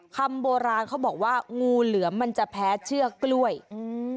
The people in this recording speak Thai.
คำโบราณเขาบอกว่างูเหลือมมันจะแพ้เชือกกล้วยอืม